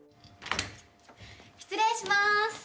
失礼します。